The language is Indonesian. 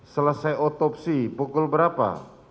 selesai otopsi pukul berapa